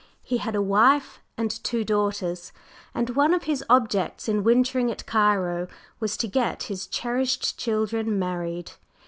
He had a wife and two daughters, and one of his objects in wintering at Cairo was to get his cherished children married.